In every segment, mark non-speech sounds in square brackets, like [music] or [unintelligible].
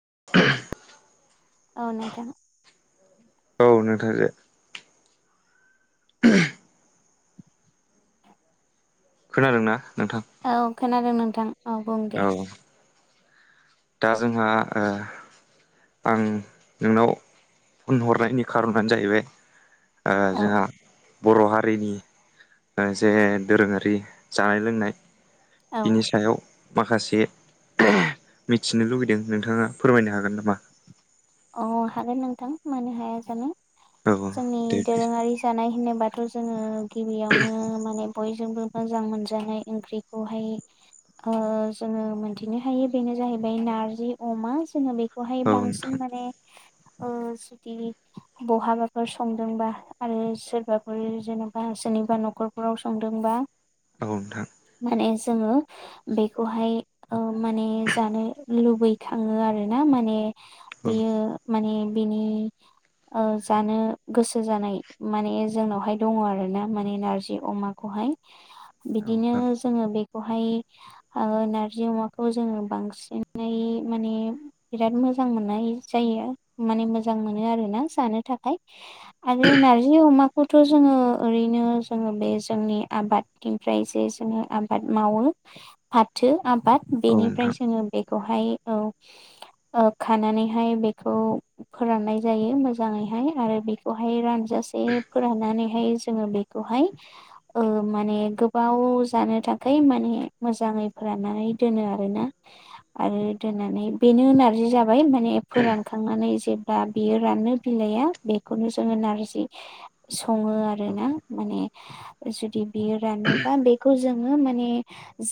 [inaudible] [unintelligible] अ' नोंथां औ नोंथां खोनादों ना? औ खोनादों नोंथां औ बुं दे। दा जोंहा ओ आं नोंनाव फन हरनायनि खार'नानो जाहैबाय ओ औ जोंहा बर' हारिनि जे दोरोङारि जानाय लोंनाय। औ बिनि सायाव माखासे मिथिनो लुबैदों नोंथाङा फोरमायनो हागोन नामा? अ हागोन नोंथां मानो हाया जानो औ औ जोंनि दे दोरोङारि जानाय होनोबा थ' जोङो गिबियावनो माने बयजोंबो मोजां मोनजानाय ओंख्रिखौहाय ओ जोङो मोनथिनो हायो बेनोनो जाहैबाय नारजि अमा ज बेखौ औ बांसिन। नोंथां ने ओ जुदि बहाबाफोर संदोंबा आरो सोरबाफोर जेन'बा सोरनिबा न'खरफोराव संदोंबा औ नोंथां। माने जोङो बेखौहाय ओ माने जानो लुबैखाङो आरोना माने औ बेयो माने बिनि ओ जानो गोसो जानाय माने जोंनावहाय दङ आरोना माने नारजि अमाखौहाय औ बिदिनो नोंथां जोङो बे खौहाय नारजि अमाखौ जोङो बांसिनै माने बिराद मोजां। मोजां मोननाय। जायो माने मोजां मोनो आरोना जानो थाखाय आरो नारजि अमा खौथ' जोङो ओरैनो जोङो बे जोंनि आबादनिफ्राय जे जोङो आबाद मावो। फाथो। आबाद औ बेनिफ्राय नोंथां जोङो बेखौहाय खानानै बेखौ फोरनाय जयो मोजांयैहाय आरो बेखौ दसे फोरनानै हाय मे गोबाव जानो थाखाय माने मोजां। फोरानानै दोनो आरोना आरो दोननानै बेनो नारजि जाबाय माने फोरानखांनानै जेब्ला बियो रानो बिलाइया बेखौनो जोङो नारजि सङो आरोना माने जुदि बियो रानोबा बेखौ जों माने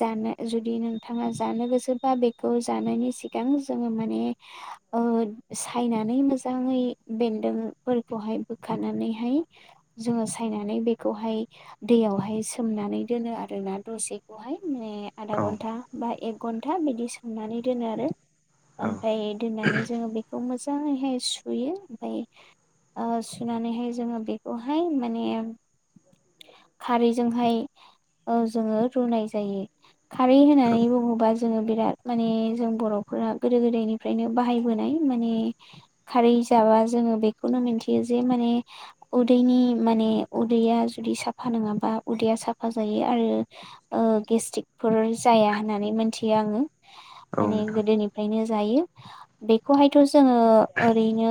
जानो जुदि नोंथाङा जानो गोसोबा बेखौ जानायनि सिगां जो माने ओ सायनानै मोजाङै बेन्दोंफोरखौहाय बोखारनानैहाय जोङो सायनानै बेखौहाय दैयावहाय सोमनानै दोनो आरो ना दसेखौहाय मे आधा औ घन्टा बा एक घन्टा बिदि संनानै दोनो आरो औ ओमफ्राय दोननानै खौ मोजाङैहाय सुयो ओमफाय ओ सुनानैहाय जोङो बेखौहाय माने खारैजोंहाय औ जोङो रुनाय जायो खारै होननानै बुङोबा जोङो बिराद माने जों बर'फोर बेफोर गोदो गोदायनिफ्रायनो बाहायबोनाय माने खारै जाबा जोङो बेखौनो मिथियो जे माने उदैनि माने उदैया जुदि साफा नङाबा उदैया साफा जायो आरो गेस्टि्रिकफोर जाया होननानै मिथियो आङो औ माने नोंथां गोदोनिफ्रायनो जायो। बेखौहायथ' जोङो ओरैनो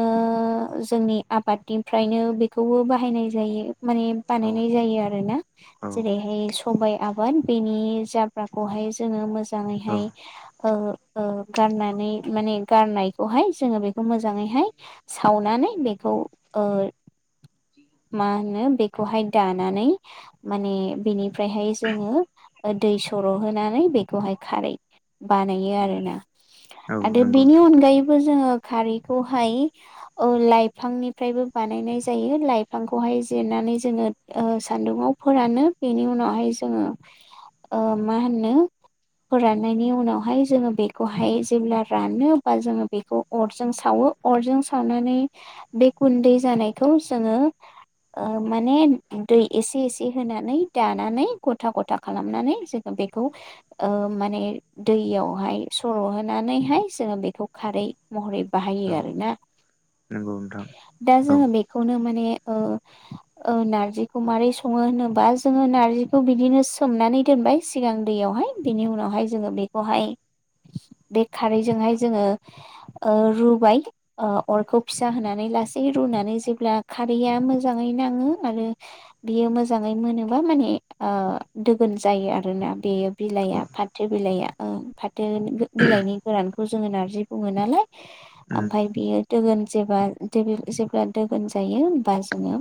जोंनि आबादनिफ्रायनो बेखौबो बाहाय माने औ बनाय जायो आरोना औ जेरैहाय स आबाद बेनि जाब्राखौहाय जोङो औ मोजाङैहाय गारनानै माने गारनायखौहाय जोङो बेखौ मोजाङैहाय सावनानै बेखौ [inaudible] मा होनो बेखौहाय दानानै माने बेनिफ्रायहाय जोङो दै सर' होनानै बेखौहाय खारै बानायो आरोना औ आरो नंगौ बिनि नोंथां अनगायैबो जोङो खारैखौहाय लाइफांनिफ्रायबो बानायनाय जायो लाइफांखौहाय जे नानै जोंङो सान्दुुंआव फोरानो बेनि उनावहाय जोङो मा होनो फोराननायनि उनावहाय जोङो बेखौहाय जेब्ला रानो बा जोङो बेखौ अरजों सावो अरजों सावनानै बे गुन्दै जानायखौ जङो माने दै एसे एसे होनानै दानानै गथा गथा खालामनानै जोङो बेखौ माने दैयावहाय सर'हानैहाय जोङो बेखौ खारै महरै बाहायो औ आरोना नंगौ नोंथां दा औ जोङो बेखौनो माने औ नार्जिखौ माबोरै सङो होनोबा जोङो नार्जिखौ बिदिनो सोमनानै दोनबाय सिगां दैहाय बेनि उनाहाय जों बेखौहाय दै खारै बेखौहाय जोंडो ओ रुबाय ओ अरखौ फिसा होनानै लासै रुनानै जेब्ला दा खारैया मोजाङै नाङो आरो बियो मोजाङै मोनोबा माने दोगोन जायो आरोना बेयो बिलाइया औ फाथो बिलाइया बिलाइनि गोरानखौ जोङो नारजि बुङो नालाय उम ओमफ्राय बियो दोगोन जे जेब्ला दोगोन जायो होमबा जोङो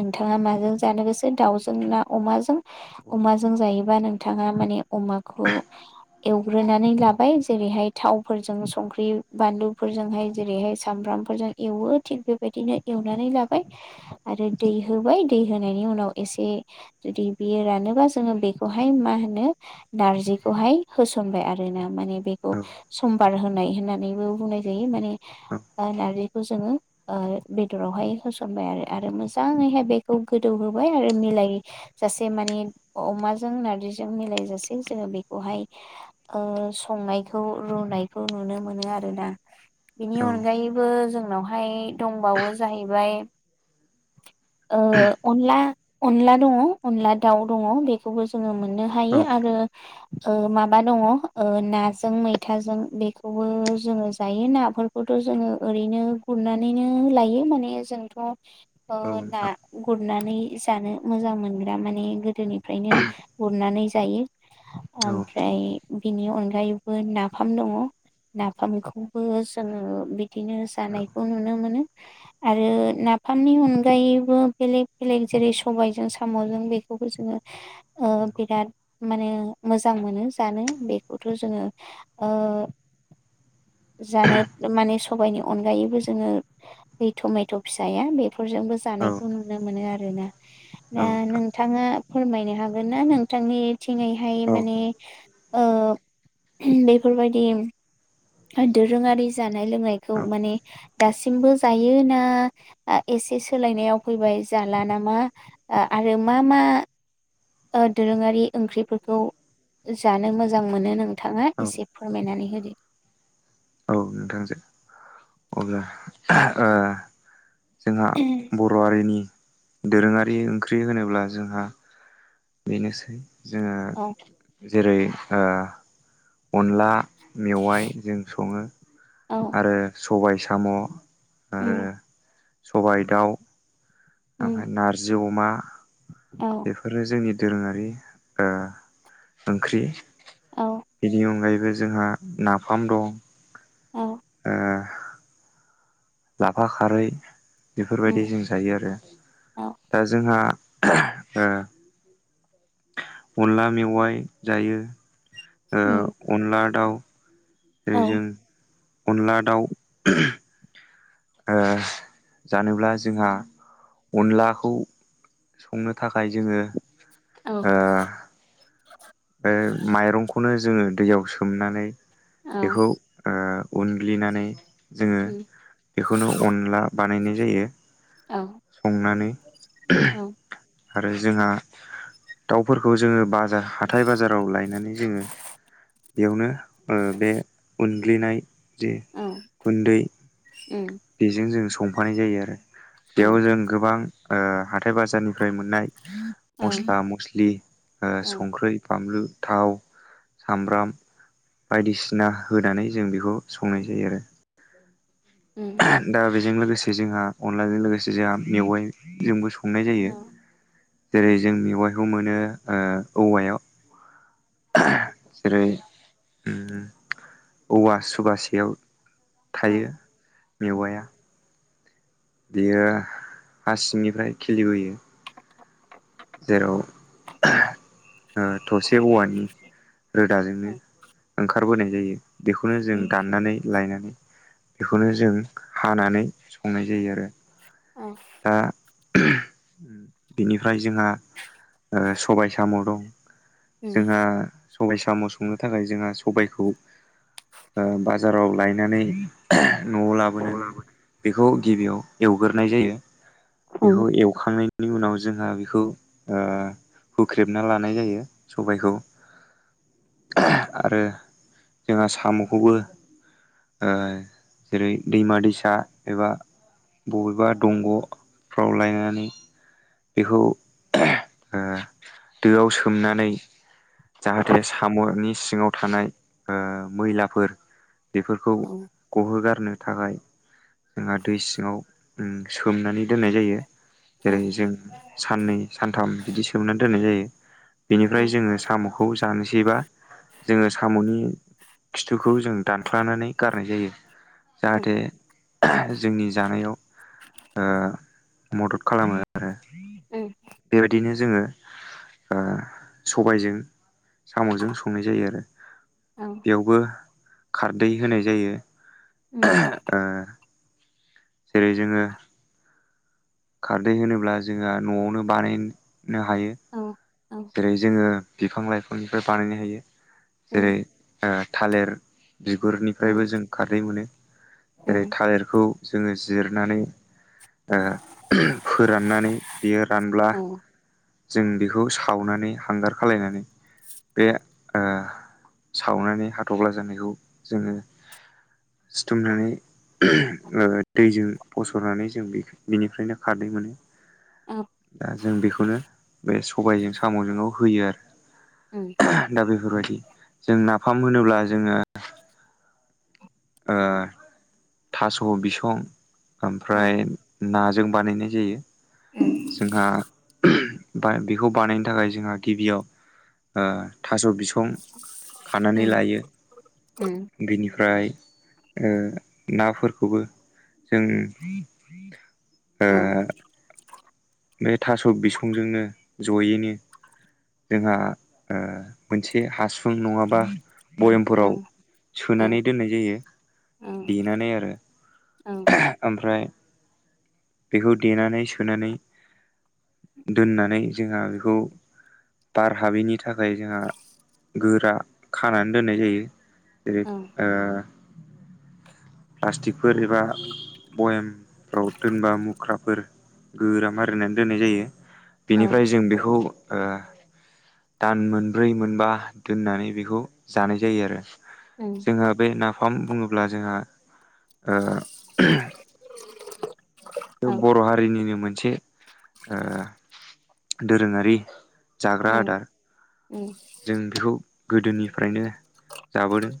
नोंथाङा मानो जानो गोसो दाउजों ना अमाजों औ अमाजों जायोबा नोंथाङा माने अमाखौ एवग्रोनानै लाबाय जेरैहाय थावफोरजों संख्रि बानलुफोरजोंहाय जेरैहाय सामब्रामफोरजों एवो थिग बेबायदि बिदिनो एवनानै लाबाय आरो दै होबाय दै होनायनि उनाव एसे जु दै रानोबा ज बेखौ मा होनो नारजिखौ होसनबाय आरोना म औ सम [unintelligible] बार होनाय होननानैबो बुंनाय जायो माने नारजिखौ जोङो बेदरावहाय होसनबाय आरो मोजाङैहाय बेखौ गोदौ होबाय आरो मिलाय जासे माने अमाजों नारजिजों मेलायजासे जोडो बेखौहाय ओ संनाय खौ रुनायखौ नुनो मोनो आरोना बेनि नोंथां औ अनगायैबो जों उनावहाय दंबावो जाहैबाय अनला अनला दङ अनला दाउ दङ बेखौबो जोङो नो ह औ आरो मा द [unintelligible] जों मैथाजों बेखौबो जोङो जायो नाफोरखौथ' जोङो ओरैनो गुरनानैनो लायो माने जोंथ' औ ना नोंथां गुरनानै जानो मोजां मोनग्रा माने गोदोनिफ्रायनो गुरनानै जायो। ओमफ्राय बिनि अनगायैबो नाफाम दङ नाफामखौबो जोङो बिदिनो जानायखौ नुनो मोनो आरो ना बिाफाननि अनगायैबो बेलेग बेलेग जेरै सबायजों साम'जों बेखौबो जोङो बिराद माने मोजां मोनो जानो बेखौथ' जोङो ओ जानो माने सबायनि अनगायैबो जोङो ब टमेट' फिसाया बे फोरजोंबो जानायखौ नुनो मोनो आरोना, दा नोंथाङा फोरमायनो हागोन ना नोंथांनिथिंङैहाय औ माने ओ बेफोरबायदि दोरोङारि जानाय लोंनायखौ माने दासिमबो जायोना एसे सोलायनायाव फैबाय जाला नामा? आरो मा मा दोरोङारि ओंख्रिफोरखौ जानो मोजां मोनो नोंथाङा एसे फोरमायनानै होदो। औ नोंथांजो अब्ला जोंहा बर' हारिनि दोरोङारि ओंख्रि होनोब्ला जोंहा बेनोसै जोङो औ जेरै अनला मेवाइ जों सङो औ आरो सबाय साम' आरो उम सबाइ, दाउ उम ओमफ्राय नारजि अमा औ बेफोरो जोंनि दोरोङारि ओंख्रि औ बेनि अनगायैबो जोंहा नाफाम दं औ लाफा खारै उम बेफोरबायदिजों जायो आरो औ दा जोंहा [inaudible] अनला मेवाइ जायो, उम अनला दाउ जेरै औ जों अनला दाउ जानोब्ला जोंहा अनलाखौ संनो थाखाय जोङो औ ओ माइरंखौनो जोङो दैयाव सोमनानै औ बेखौ उनग्लिनानै जोङो उम बेखौनो अनला बानायनाय जायो औ संनानै औ आरो जोंहा दाउफोरखौ जोङो बाजार हाथाय बाजाराव लायनानै जोङो बेयावनो बे उनग्लिनाय जे गुन्दै उम बेजों जों संफानाय जायो आरो, बेयाव औ जों गोबां हाथाय बाजारनिफ्राय मोननाय औ उम औ मस्ला-मस्लि, संख्रै, बामलु थाव, सामब्राम बायदिसिना होनानै जों बेखौ संनाय जायो आरो। उम दा बेजों लोगोसे जोंहा अनलाजों लोगोसे जोंहा मेवाइजोंबो स संनाय जायो जेरै जों मेवायखौ मोनो औवायाव जेरै औवा सुबासेयाव औ थायो मेवाया बियो हा सिंनिफ्राय खिलिबोयो जेराव थसे औवानि रोदाजोंनो ओंखारबोनाय जायो बेखौनो उम जों दाननानै लायनानै बेखौनो जों हानानै संनाय जायो आरो औ दा बिनिफ्राय जोंहा सबाय-साम' दं जोंहा सबाइ साम' संनो थाखाय जोंहा सबायखौ बाजाराव लायनानै न'आव लाबोनानै उम बेखौ गिबियाव एवग्रोनाय जायो औ बेखौ उम एवखांनायनि बेनि उनाव जोंहा बेखौ हुख्रेबना लानाय जायो सबाइखौ आरो जोंहा साम'खौबो जेरै दैमा- दैसा एबा बबेबा दंग' फ्राव लायनानै बेखौ ओ दोआव सोमनानै जाहाथे साम'नि सिङाव थानाय मैलाफोर बेफोरखौ औ गहोगारनो थाखाय जोंहा दै सिङाव ओम सोमनानै दोननाय जायो औ जेरै जों साननै, सानथाम बिदि सोमनानै दोननाय जायो बेनिफ्राय जोङो साम'खौ जानोसैबा जोङो साम'नि खिथुखौ जों दानख्लानानै गारनाय जायो जाहाथे जोंनि जानायाव मदद खालामो आरो बेबायदिनो जोङो ओ सबायजों साम'जों संनाय जायो आरो। बेयावबो खारदै होनाय जायो। ओहो ओ जेरै जोङो खारदै होनोब्ला जोंहा न'आवनो बानायनो हायो। जेरै जोङो बिफां-लाइफांनिफ्राय बानायनो हायो जेरै -ओ थालिर बिगुरनिफ्रायबो जों खारदै मोनो। जेरै थालिरखौ जोङो जिरनानै ओ ओहोम फोराननानै बियो रानब्ला जों बेखौ सावनानै हांगार खालायनानै बे ओ सावनानै हाथब्ला जानायखौ जोङो सिथुमनानै ओहोम ओ दैजों फसरनानै जों बिखौ बिनिफ्रायनो खारदै मोनो। ओ जों बेखौनो बे स सबायजों साम'जों होयो आरो ओहो दा बेफोरबायदि जोंना फाम होनोब्ला जोङो ओ थास' बिसं ओमफ्राय नाजों बानायनाय जायो जोंहा। फाय बेखौ बानायनो थाखाय जोंहा गिबियाव ओ थास' बिसं खानानै लायो बिनिफ्राय ओ नाफोरखौबो जों [inaudible] ओ बे थास' बिसंजोंनो ज'यैनो जोंहा ओ मोनसे हासुं नङाबा भयेमफोराव सोनानै दोननाय जायो देनानै आरो। ओहो ओमफ्राय बेखौ देनानै सोनानै दोननानै जोंहा बेखौ बार हाबैनि थाखाय जोंहा गोरा खानानै दोननाय जायो जेरै ओ प्लास्टिकफोर एबा बयमफ्राव दोनबा मुख्राफोर गोरा मारिनानै दोननाय जायो। बेनिफ्राय जों बेखौ ओ दान मोनब्रै मोनबा दोननानै बेखौ जानाय जायो आरो। जोंहा बे नाफाम बुङोब्ला जोंहा ओ बे बर' हारिनिनो मोन से ओ दोरोङारि जाग्रा आदार। जों बेखौ गोदोनिफ्रायनो जाबोदों।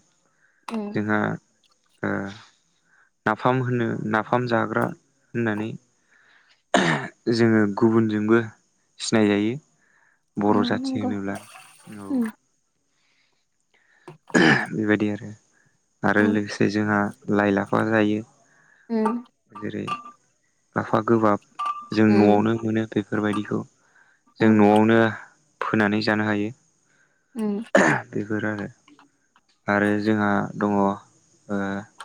जोंहा ओ नाफाम होनो नाफाम जाग्रा होननानै जोङो गुबुनजोंबो सिनायजायो। बर' जाथि होनोब्ला औ। ओहो बेबायदि आरो आरो लोगोसे जोंहा लाइ, लाफा जायो। ओम। जेरै लाफा गोबाब जों न'आवनो नंगौ मोनो बेफोरबायदिखौ जों न'आवनो फोनानै जानो हायो औ ओहो बेफोर आरो आरो जोंहा दङ ओ